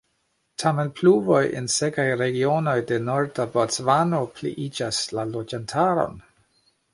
Tamen pluvoj en sekaj regionoj de norda Bocvano pliiĝas la loĝantaron.